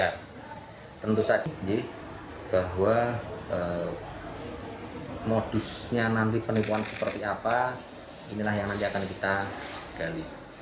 ya tentu saja bahwa modusnya nanti penipuan seperti apa inilah yang nanti akan kita gali